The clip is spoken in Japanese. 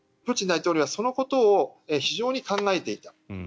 プーチン大統領はそのことを非常に考えていた。